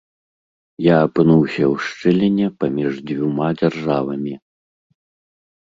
Я апынуўся ў шчыліне паміж дзвюма дзяржавамі.